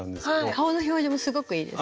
顔の表情もすごくいいです。